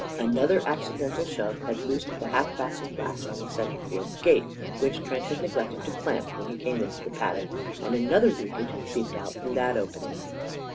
Another accidental shove had loosed the half fastened latch on the centre field's gate, which Trent had neglected to clamp when he came into the paddock; and another leakage seeped out through that opening.